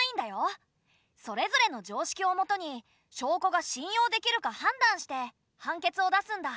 それぞれの常識をもとに証拠が信用できるか判断して判決を出すんだ。